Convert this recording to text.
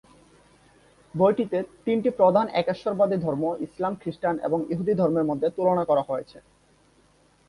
বইটিতে তিনটি প্রধান একেশ্বরবাদী ধর্ম ইসলাম, খ্রিস্টান এবং ইহুদি ধর্মের মধ্যে তুলনা করা হয়েছে।